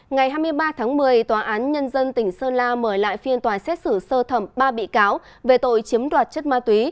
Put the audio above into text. ngày hai mươi ba tháng một mươi tòa án nhân dân tỉnh sơn la mời lại phiên tòa xét xử sơ thẩm ba bị cáo về tội chiếm đoạt chất ma túy